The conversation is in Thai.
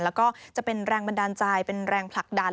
แล้วก็จะเป็นแรงบันดาลใจเป็นแรงผลักดัน